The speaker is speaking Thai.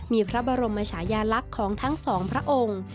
มีพระบรมชายาลักษณ์ของทั้งสองพระองค์